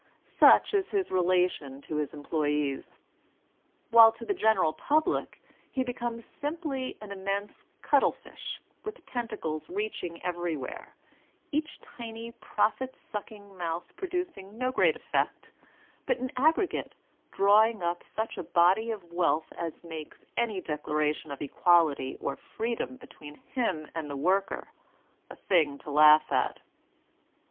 Such is his relation to his employes; whOe to the general public he becomes simply an immense cuttle fish with tentacles reaching everywhere, — each tiny profit sucking mouth producing no great effect, but in aggregate drawing up such a body of wealth as makes any declaration of equality or freedom between him and the worker a thing to laugh at.